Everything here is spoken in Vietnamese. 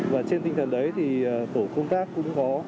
và trên tinh thần đấy thì tổ công tác cũng khó